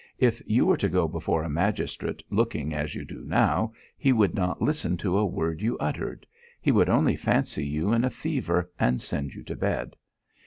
If you were to go before a magistrate, looking as you do now, he would not listen to a word you uttered. He would only fancy you in a fever and send you to bed.